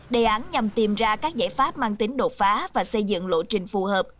đề án nhằm tìm ra các giải pháp mang tính đột phá và xây dựng lộ trình phù hợp